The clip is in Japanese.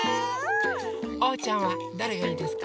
おうちゃんはどれがいいですか？